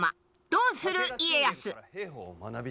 「どうする家康」。